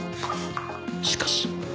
しかし